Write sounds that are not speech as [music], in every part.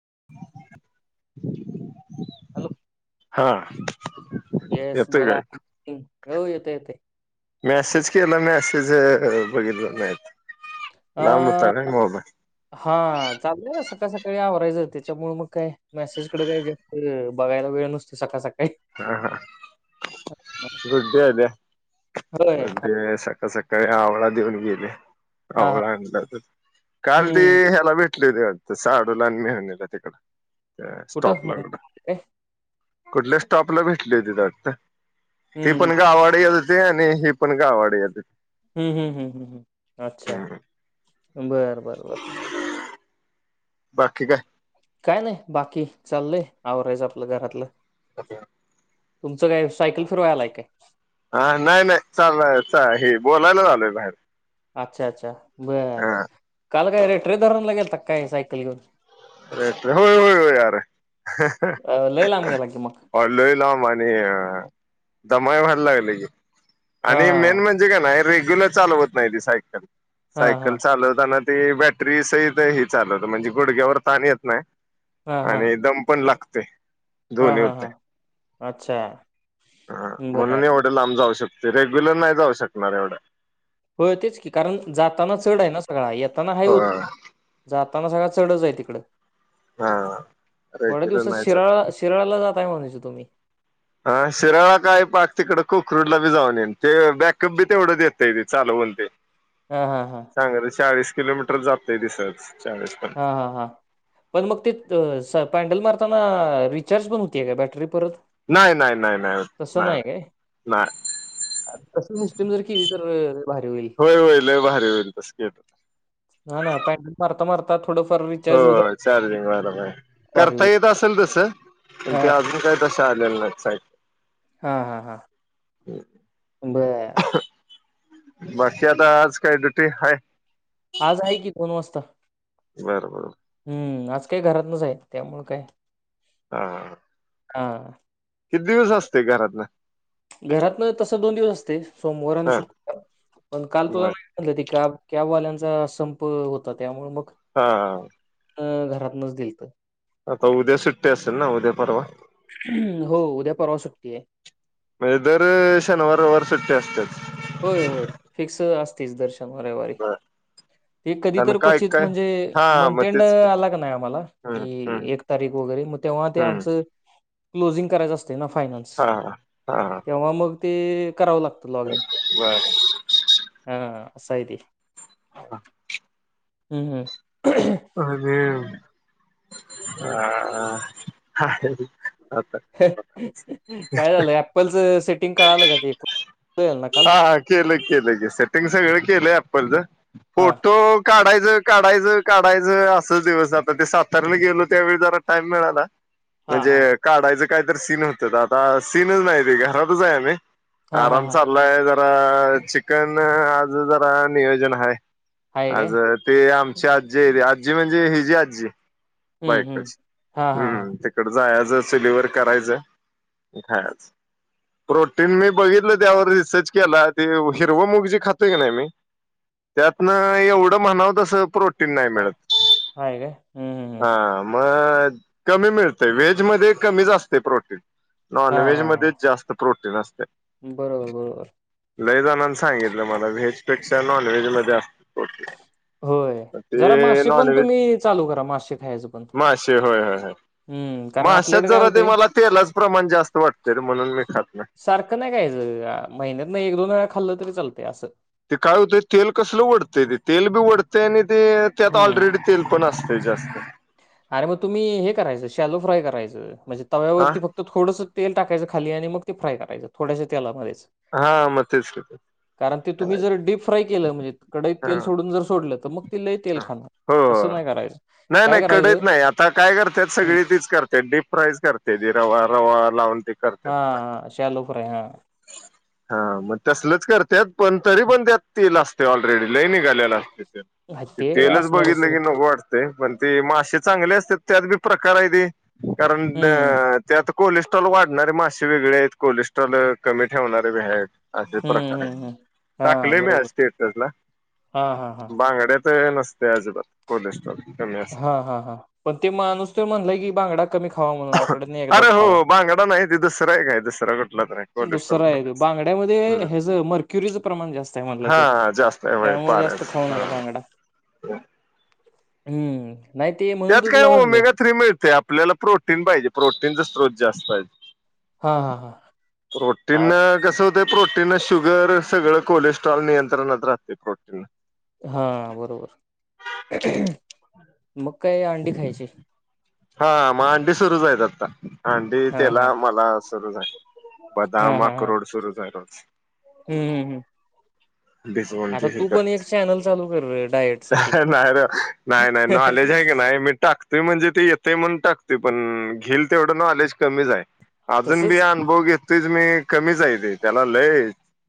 [unintelligible] Hello. हा. Yes येतोय बोला काय हो येतंय येतंय. मॅसेज केला, मॅसेज बघितलं नाहीत. अ लांब होता काय मोबाईल हा चालतय तस सकाळ सकाळी आवरायचं त्याच्यामुळे मग काय मेसेजकडे काय जास्त बघायला वेळ नसते सकाळ सका हा हा गुडे आहेले होय हा गुडे सका सका का आवळा देऊन गेले हा हा. आवळा आण काल ते हम्म ह्याला भेट [unintelligible] साडू लहान नेल्याता तिकडं कुठं स्टॉपला कड मुंबई काय कुठल्या स्टॉपला भेटली होतीत वाटत ती हम्म पण गावाड येत होते. आणि ही पण गावाड येत होती. हम्म, हम्म, हम्म, हम्म, हम् अच्छा हम्म बर बर बर. बाकी काय. काय नाही बाकी चाललय आवरायचं आपलं घरातलं. [unintelligible] तुमचं काय सायकल फिरवायलाय काय? हा नाही नाही चाल हे बोलायला झालोय बाहेर. अच्छा अच्छा बरं हा काल काय रेट्रे धरण लागेल काय सायकल घेऊन. रिट्रे होय होय होय यार अं, लय लांब गेला की मग अ लय लाम आणि आणि अ दमाय व्हायला लागली हा आणि मेन म्हणजे का नाही. चालवत नाही सायकल हा हा सायकल चालवताना ते बॅटरी सहित चालवत म्हणजे गुडघ्यावर ताण येत नाही. हा हा आणि दम पण लागते. हा दोन्ही हा होते हा अच्छा बर म्हणून एवढे लांब जाऊ शक ते रेग्युलर नाही जाऊ शकणार एवढं. हो तेच की कारण जाताना चढ आहे ना सगळा येताना हा हो होत [unintelligible] जाताना सगळ चढच आहे तिकड हा थोड्या रेग्युलर दिवसात नाही जात शिराळा शिराळाला जात. काय म्हणायच तुम्ही हा शिराळा काय पाक तिकड खकररूडला बी जाऊन येईन ते बॅकअप बी तेवढं देतय बी चालू बोलते. हा हा हा सांगा चाळीस किलोमीटर जातय दिसच. हा हा हा पण मग ते पॅडल मार रिचार्ज पण होतीय का बॅटरी परत नाही नाही नाही नाही तस नाही काय नाही त सिस्टम जर केली तर अ, भारी होईल होय होय लय बाारी होईल तस केट हा ना पॅन्डल मारता मारता थोडंफार हो रिचार्ज होत राहील, चार्जिंग बरबर भारी करता होईल येत असेल तस प हा ते अजून काय तस. चालेल ना. हा हा हा बर बाकी आता आज काय ड्युटी हाय. आज आहे की दोन वाजता बरबर. हम्म आज काही घरातूनच आहेत त्यामुळं काय? हा. आ. किती दिवस असते घरातन घरातन तस दोन दिवस असते सोमवार आणि हा शुक्रवार पण काल तुला बर नाही म्हटलं ते का? कॅबवाल्यांचा संप होता त्यामुळे मग हा. अ घरातनच दिलत. आता उद्या सुट्टी असेल ना उद्या परवा हो उद्या परवा सुट्टीय. म्हणजे दर शनिवार रविवार सुट्टी असतेच. होय होय फिक्स असतेच दर् शनवार रविवारी बर ते कधी आणि तर काय कौचीत काय म्हणजे हा मग मंथंड तेच की आला का नाही आम्हाला हम्म हम्म कि एक तारीख वगैरे मग तेव्हा ते हम्म आमच. क्लोजिंग करायचं असते ना फायनान्स हा हा हा हा तेव्हा मग ते करावं लागतं लॉग इन बरं हा असायते [unintelligible] हम्म हम्म [inaudible] [unintelligible] काय झालं ॲप्पल च सेटिंग कळालं का ते? कळलं ना काल हा केलं केलं सेटिंग सगळं केलं ॲप्पलचं हा फोटो का? काढायचं काढायचं काढायचं असंच दिवस जाताय ते साताऱ्याने गेलो त्यावेळी जरा टाइम मिळाला हा हा म्हणजे काढायचं काहीतरी सीन होत आता सीनच नाही त घरातच आहे आम्ही हा हा आराम हा चालाय जरा चिकन आज जरा नियोजन आहे. आहे काय आजर ते आमची आजी ए आजी म्हणजे हिजी आजी हम्म हम्म बायकोची हा हा हा हम्म तिकडं जाय इथं चुलीवर करायच खायाचं प्रोटीन मी बघितलं त्यावर रिसर्च केला ते हिरवं मुग जी खातोय की नाही मी त्यातनं एवढं म्हणावतसं प्रोट टीन नाही हा मिळत आहे काय हम्म हम्म हम्म. हा म कमी मिळते व्हेज मधे कमीच असतय प्रोटीन हा नॉनव्हेज हा हा मधेच जास्त प्रोटीन असतंय बरोबर बरोबर लय जणानं सांगितलं मला व्हेज फिक्स नॉनव्हेज मध्ये असत प्रोटीन होय जरा ते मासे पण नॉनव्हेज तुम्ही चालू करा मासे खायचं पण हम्म कारण माश्यात आपल्याकडे काय जरा ते होतंय मला तेलाच प्रमाण जास्त वाटतय म्हणून मी खात नाही सारखं नाही खायचं महिन्यात एक दोन वेळा खाल्लं तरी चालतय असं ते काय होतंय तेल कसलं ओढतंय तेल बी ओढतंय आणि ते त्यात हम्म ऑलरेडी तेल पण असतंय जास्त अरे मग तुम्ही हे करायचं शॅलो फ्राय करायचं म्हणजे हा तव्यावरती फक्त थोडंसं तेल टाकायचं खाली आणि मग ते फ्राय करायचं थोड्याश्या तेलामध्येच हा म तेच की ते कारण ते तुम्ही जर करायचं डीप फ्राय केलं म्हणजे कढईत हा तेल सोडून जर सोडलं तर मग ती लय तेल हा खातं तसं हो नाही करायचं नाही काय नाही करायचं कढईत नाही. आता काय करतात हम्म. सगळी तीच करतेत डीप फ्राय च करतेत रवा रवा लावून ते करतात हा फ्राय हा शॅलो फ्राय हा हा मग तसलच करतेत पण तरी पण त्यात तेल असते ऑलरेडी लैय निघालेला हा, ते तेलच असणारच बघितलं रे की नको वाटतेय पण ते मासे चांगले असते त्यात बी प्रकार हायती कारण हम्म त्यात कोलेस्ट्रॉल वाढणारे मासे वेगळे आहेत कोलेस्ट्रॉल कमी ठेवणारे बी आहेत. असे हम्म प्रकार आहेत हम्म हम्म हा टाकलंय मी आज बरोबर स्टेटसला हा हा हा बांगड्यात नसतंय नसतंय अजिबात कोलेस्ट्रॉल कमी असते हा हा हा पण ते माणूस तर म्हणलंय की बांगडा कमी खावा म्हणून आठवड्यातून एकदाच खावा कडा नाही ते दुसराय काय दुसराय कुठला तरी हाय दुसरं आहे बांगड्यामध्ये ह्याच मर्क्युरीचं प्रमाण जास्त आहे म्हणलं त हा जास्त आहे त्यामुळे पाण्याच जास्तं खाऊ हा नका भांगडा होय हम्म नाही ते म्हणून त्यात तर काय तुला म्हणलं ओमेगा थ्री मिळते आपल्याला प्रोटीन पाहिजे प्रोटीनचा स्त्रोत जास्तय हा हा हा प्रोटीन आ- कस होतंय प्रो टीन शुगर सगळं कोलेस्ट्रॉल नियंत्रणात राहते प्रोटीनं हा बरोबर मग काय अंडी खायची हा म आंडी सुरूचयत आता अंडी हा त्याला हा. मला सुरूचयत हा बदाम हा हा अक्रोड सुरूचयत रोज हम्म हम्म बिसवण ते आता हे तू पण एक करते चॅनल चालू कर डायट साठी नाही र नाही नाही नो लेज आहे की नाही मी टाकत म्हणजे ते येते म्हण टात पण घेईल तेवढं नॉलेज कमीच आहे. अजून बी तसच अनुभव घेतोच मी कमीच आहे ते त्याला लय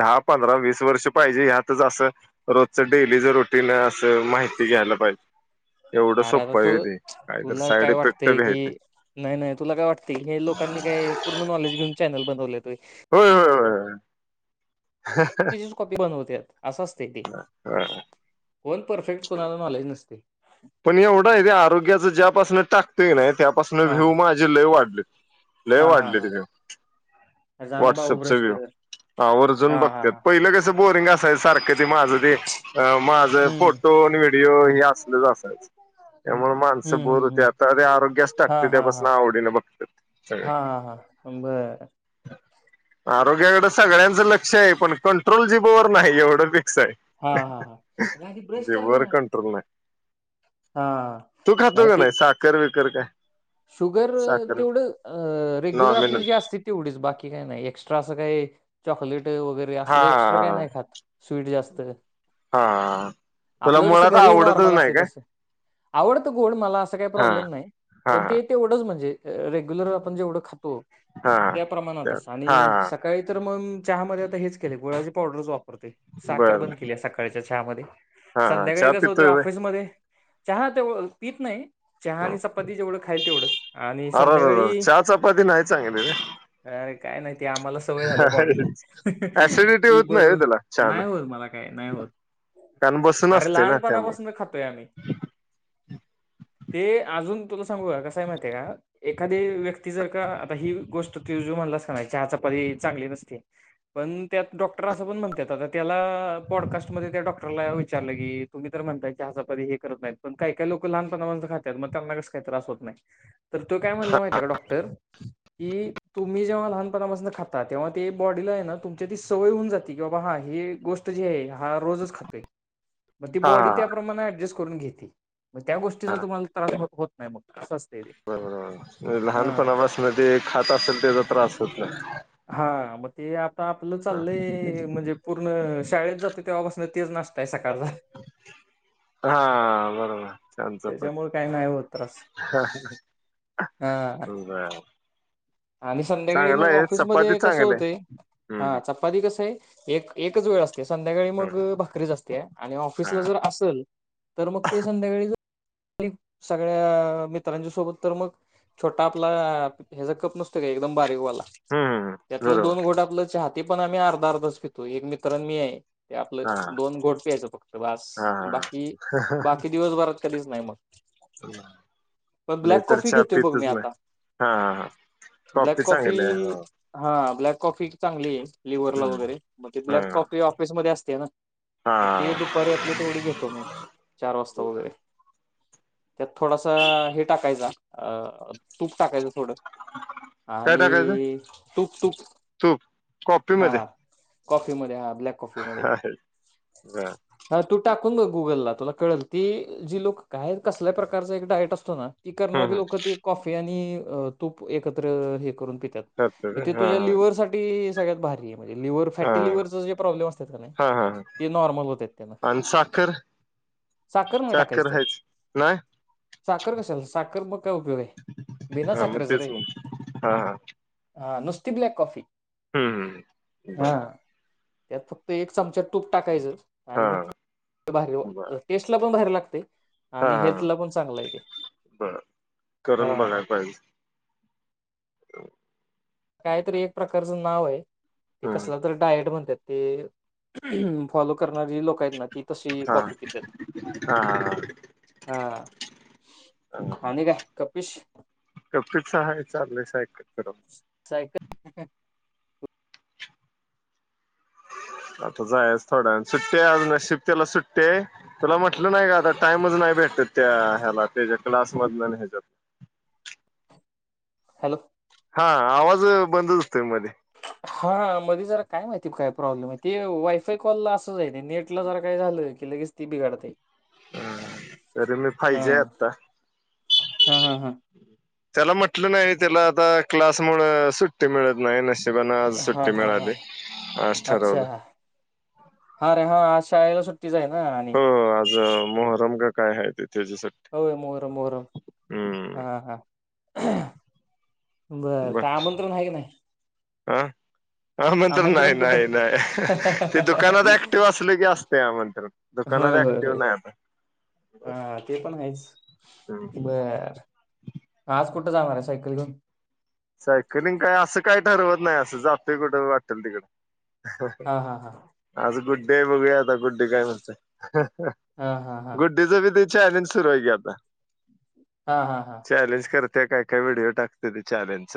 दहा पंधरा वीस वर्ष पाहिजे ह्यातच असं रोजचं डेली ज रुटीन च माहिती घ्यायला पाहिजे एवढं सोपं आहे वे ते काहीत साईड इफेक्ट ते बी आहे कि नाही नाही तुला काय वाटते हे लोकांनी काही पूर्ण नॉलेज घेऊन चॅनल बनवलेत वे. होय होय होय. त्याचीच कॉपी बनोत्यात असं असत्या य ते. हा. कोण परफेक्ट कोणाला नॉलेज नसते. पण एवढं आहे ते आरोग्याच ज्यापासन टातय नाही त्यापासून हा व्यू हा माझे लय वाढलेत. लय हा हा वाढली तिथे. हा. जा ना बाबू व्हाट्सअप चा ब्रश व्ह्यू कर हा वर्जन हा बघत हा पहिलं कस? बोरिंग असायच सारखं ते माझं ते माझं हम्म फोटो आणि व्हिडिओ हम्म. हे असलच अस हम्म त्यामुळे माणसं बोर हम्म होते हम्म आता आरोग्याच हा टाकते हा हा. त्यापासून आवडीने बघतात. सगळे हा हा हा बर! आरोग्याकडे सगळ्यांचं लक्ष आहे पण कंट्रोल जी भवर नाही एवढं बी हा असं हा हा अग आधी [unintelligible] ब्रश कर ना जीबर कंट्रोल नाही. हा तू खातो का नाही साखर बिकर काय? शुगर साखर तेवढं रेग्युलर आपली नॉमिनल जे असती तेवढीच बाकी काही नाही एक्स्ट्रा असं काय वगैरे अस हा एस्ट्रा काय नाही खात स्वीट जास्त हा तुला आपलं जसं मुळात घरी आवडतच नॉर्मल नाही असते काय तस. आवडत गोड मला असं काही हा प्रॉब्लेम नाही. हा पण ते तेवढंच म्हणजे रेग्युलर आपण जेवढं खा तो हा त्या प्रमाणातच हा आणि सकाळी तर मग चहा मध्ये आता हेच केले गुळा्याची पावडरच वापरतोय साखर बर बंद केली सकाळच्या चहामध्येध्ये हा हा संध्याकाळी चहा कसं होत पितोय ऑफिसमध्ये चहा तेवढ पीत नाही चहा आणि चपाती जेवढं खाईल तेवढंच. आणि अरेरे! संध्याकाळी चहा चपाती नाही चांगली रे. अरे काय नाही ते आम्हाला सवय झाली बॉडीला ऍसिडिटी ती होत नाही हो बरोबर त्याला चहानं नाही होत मला काय नाही होत. कारण बसून अरे असते ना त्यामुळे लहानपणापासून खातोय आम्ही. ते अजून तुला सांगू का कसा आहे माहिती आहे का एखादी व्यक्ती जर का आ ही गोष्ट तू जो म्हणलास की नाही चहा चपाती हे चांगले नसते पण त्यात डॉक्टर असं पण म्हणतात आता त्याला पोडकास्ट मध्ये त्या डॉक्टरां विचारलं की तुम्ही तर म्हणताय चहा चपाती हे करत नाहीत पण काही काही लोक लहपणा पासून खातात मग त्यांना कसं त्रास होत नाही तर तो काय म्हणला माहितीये का डॉक्टर की तुम्ही जेव्हा लहानपणापासून खाता तेव्हा ते बॉडीला आहे ना तुमची ती सवय होऊजाती की बाबा हा ही गोष्ट जी आहे हा रोजच खातोय. मग ती हा बॉडी त्याप्रमाणे ऍडजस्ट करून घेते. मग त्या गोष्टीच तुम्हाला तास होत नाही मगं अस बरोबर बरोबर लहानपणापासून ते खात असेल त्याचा त्रास होत नहीं. हा मग ते आता आपलं चाललंय म्हणजे पूर्ण शाळेत जाते. तेव्हापासनं तोच नाष्टा आहे सकाळचा. हा बरोबर. चहा आणि चपाती त्याच्यामुळे काही नाही होत त्रास हा [unintelligible] आणि संध्याकाळी चांगलं मग आहे ऑफिस चपाती मध्ये कसं चांगली आहे होतंय? हम्म हा चपाती कस आहे एक एकच वेळ अस ते संध्याकाळी हम्म मग हम्म भाकरीच असते आणि हा ऑफिसला जर असेल तर मग ते संध्याकाळी सगळ्या मित्रांच्या सोबत तर मग छोटा आपला ह्याच कप नसते का एकदम बा तो वाला हम्म हम्म त्यातलं दोन बरोबर घोट आपलं चहा ते पण आम्ही अर्धा अर्धच पितो एक मित्रां मी आहे. ते आपलं हा हा दोन घोट प्यायचं फक्त बस हा बाकी बाकी दिवसभरात कधीच नाही मग. पण मी ब्लॅक तर कॉफी चहा घेतोय बघ मी पितच ना. आता हा ब्लॅक कॉफी चांगली आहे हो हा ब्लॅक कॉफी चांगली ये. लिव्हरला हम्म वगैरे मग ते हा ब्लॅक कॉफी ऑफिसमध्ये असते ना मग ते हा दुपारी आपलं तेवढी घेतो मी चार वाजता वगैरे त्यात थोडासा हे टाकायचा अ तूप टाकायचं थोडं काय टाकायचं आणि तूप तूप तूप हा कॉफीमध्ये कॉफी मध्ये हा ब्लॅक कॉफी मध्ये हा हा तू टाकून बघ गुगलला तुला कळेल ती जी लोक काय कसल्या प्रकारचा एक डायट असतो ना ती हम्म करणारी हम्म लोकं ते कॉफी आणि तूप एकत्र हे करून पित्यात सत्तर ते हा तुझ्या लिव्हर साठी सगळ्यात भारी आहे म्हणजे लिवर हा फॅटी हा लिवरचे जे प्रॉब्लेम असतात का नाही हा हा ते नॉर्मल होत आहेत त्यांनं आणि साखर नाही टाक करहायच ना साखर कशाला साखर मग काय उपयोग आहे बीना हा मग साखरेचं रे तेच मग हा हा ह नुस्ती ब्लॅक कॉफी हम्म हम् बर हा त्यात फक्त एक चमचा तूप टाकायचं आणि हा मग बर भारी टेस्टला पण भारी लागतय आणि हा हा हेल्थ ला पण चांगलं आहे तेे बर करून बघायला पाहिजे कायतरी एक प्रकारचं नाव आहे ते हम्म कसला तर डायट म्हणतात ते फॉलो करणारी लोक आहेत ना ती तशी हा कॉफी पित्यात हा हा हा हा. आणि काय कपिश कपीच आहे चाललंय सायकल करून सायकल [inaudible] आता जायाचं थोड्या वेळानं सुट्टी आज नशीब त्याला सुट्टी आहे तुला म्हटलं नाही का आता टाइमच नाही त्या ह्याला त्याच्या क्लास मधनं आणि ह्याच्यात हॅलो हा आवाज बंदच हुतोय मध्ये हा मध्ये जरा काय माहिती काय प्रॉब्लेम आहे ते वायफाय कॉलला असंच आहे नेटला जरा काय झालं क लगेचं ती बिघाडतय ह तरी मी फायजी आहे आता हा हा हा त्याला म्हटलं नाही व्हय त्याला आता क्लास मुळं सुट्टी मिळत नाही नशिबानं आज हा सुट्टी हा हा मिळाली आज अच्छा ठरवलं हा रे हा आज शाळेला सुट्टीच आहे ना आणि हो आज मोहरम का काय आहे ते त्याची सुट्टी होय मोहरम मोहरम हा हम्म हा बर काय आमंत्रण आहे की नाही आह आ म्हणून तर नाही आमंत्रण कुठं नाही नाही ते दुकानात ऍक्टिव्ह असले की असतय आमंत्रण होय दुकानात होय होय ऍक्टिव्ह नाही आता हा ते पण आहेच हं. बर आज कुठं जाणार आहे सायकल घेऊन सायकलिंग काय असं काय ठरवत नाही असं जातोय कुठं वाटेल तिकडं हा हा हा आज गुड्डी हाय बघूयात गुड्डी काय म्हणते हा हा हा गुड्डीच बी ते चॅलेंज सुरू आहे की आता हा हा हा ते काय काय व्हिडिओ टाकते ते चॅलेंजच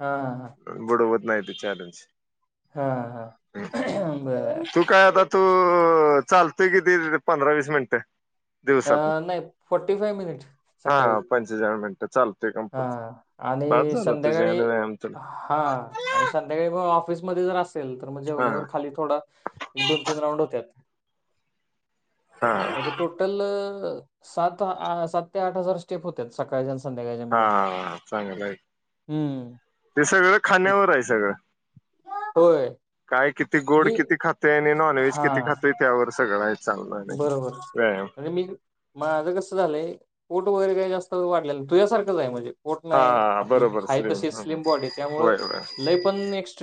हा हा हा बुडवत नाही ते चॅलेंज हा हा बर. तू काय आता तू चाल किती पंधरा वीस मिनटं अ दिवसातून नाही फोर्टी फाय मिनिट हा सकाळी पंचेचाळ मिनट. हा आणि झालं तुझ्या संध्याकाळी ह्यानं व्यायाम तुला हा आणि संध्याकाळी म ऑफिसमध्ये जर अस. तर हा जेवल्या खाली थोडा एक दोन तीन राऊंड होत्यात हा म्हणजे टोटल. सात सात ते आठ हजार स्टेप होत्यात सकाळच्या अन संध्याकाळच्या हा मिळून. चांगल आहे. हम्म ते सगळ ते- खांद्यावर आहेय सगळं. होय. त गोड मी किती खाते आणि ननव्ज हा किती खातंय त्यावर सगळं चालणार नाही बरोबर व्यायाम आणि मी मा माझं कस झालंय उन वगैर काही जास्त वाढ तुझ्यासारंच आहे. म्हणजे पोट नाही हा आपलं बरोबर हाय तशी स्लिम बॉडी त्यामुळे होय होय लय पण एक्स्टम.